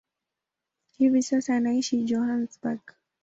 Hivi sasa anaishi Johannesburg.